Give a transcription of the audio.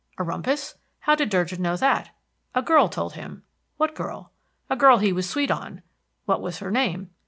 A rumpus? How did Durgin know that? A girl told him. What girl? A girl he was sweet on. What was her name?